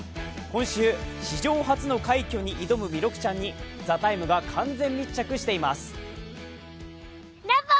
今週、史上初の快挙に挑む弥勒ちゃんに「ＴＨＥＴＩＭＥ，」が完全密着しています